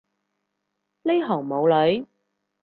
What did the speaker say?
呢行冇女